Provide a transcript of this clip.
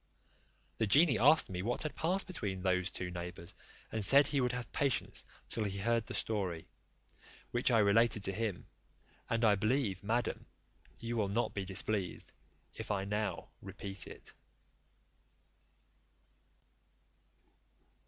The genie asked me what had passed between those two neighbours, and said, he would have patience till he heard the story, which I related to him; and I believe, madam, you will not be displeased if I now repeat it.